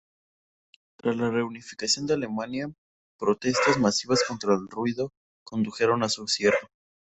Tras la reunificación de Alemania, protestas masivas contra el ruido condujeron a su cierre.